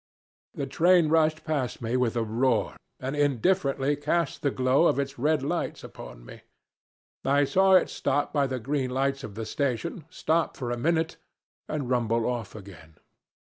The train rushed past me with a roar and indifferently cast the glow of its red lights upon me. I saw it stop by the green lights of the station, stop for a minute and rumble off again.